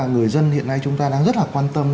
người dân hiện nay chúng ta đang rất là quan tâm